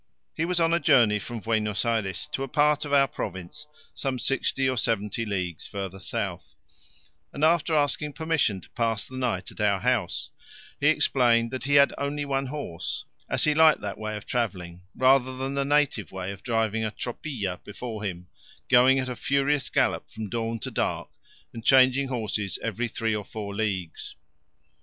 He was on a journey from Buenos Ayres to a part in our province some sixty or seventy leagues further south, and after asking permission to pass the night at our house, he explained that he had only one horse, as he liked that way of travelling rather than the native way of driving a tropilla before him, going at a furious gallop from dawn to dark, and changing horses every three or four leagues.